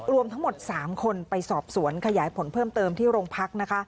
รวมทั้งหมด๓คนไปสอบสวนขยายผลเพิ่มเติมที่โรงพักนะคะ